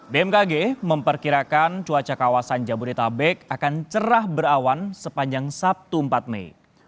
bmkg memperkirakan cuaca kawasan jabodetabek akan cerah berawan sepanjang sabtu empat mei